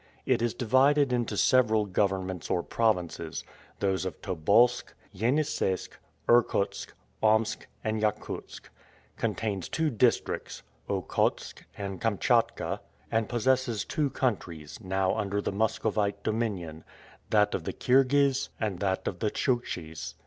It is divided into several governments or provinces, those of Tobolsk, Yeniseisk, Irkutsk, Omsk, and Yakutsk; contains two districts, Okhotsk and Kamtschatka; and possesses two countries, now under the Muscovite dominion that of the Kirghiz and that of the Tshouktshes.